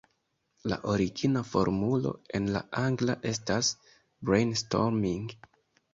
La origina formulo en la angla estas "brainstorming".